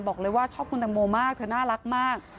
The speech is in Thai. บอกเลยว่าชอบคุณตังโมมากเธอน่ารักมาก